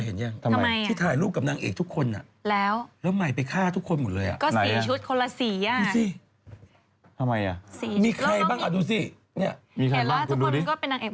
อ๋อตั้งใจตั้งใจไม่ดีพี่ก้องโทรเข้ามาพี่ก้องโทรมาถามจริง